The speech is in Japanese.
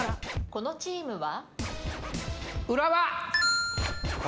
このチームは？